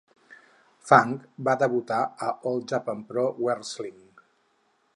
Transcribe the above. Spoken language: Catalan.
Funk va debutar a All Japan Pro Wrestling.